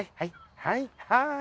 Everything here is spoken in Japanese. はいはい。